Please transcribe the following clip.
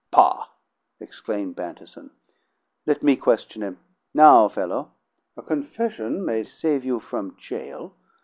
"Pah!" exclaimed Bantison. "Let me question him. Now, fellow, a confession may save you from jail.